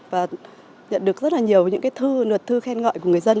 và nhận được rất là nhiều những cái thư luật thư khen ngợi của người dân